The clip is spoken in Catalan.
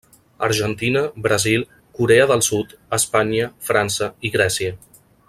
Argentina, Brasil, Corea del Sud, Espanya, França i Grècia.